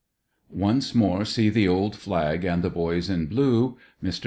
ONCE MORE SEE THE OLD FLAG AND THE BOYS IN BLUE — MR.